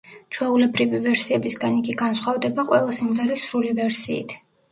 ჩვეულებრივი ვერსიებისგან იგი განსხვავდება ყველა სიმღერის სრული ვერსიით.